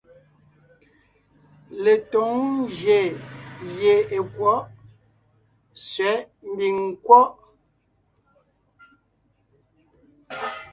Letǒŋ ngyè gie è kwɔ̌ʼ ( sẅɛ̌ʼ mbiŋ nkwɔ́ʼ).